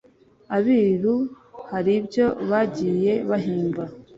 Abiru hari ibyo bagiye bahimba